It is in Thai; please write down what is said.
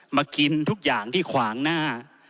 มากินทุกอย่างที่ขวางหน้า